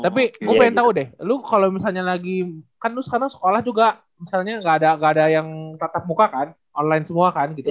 tapi gue pengen tahu deh lu kalau misalnya lagi kan lu sekarang sekolah juga misalnya gak ada yang tetap muka kan online semua kan gitu